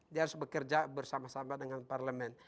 dia harus bekerja bersama sama dengan parlemen